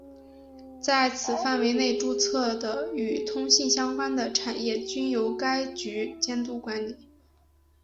在此范围内注册的与通信相关的产业均由该局监督管理。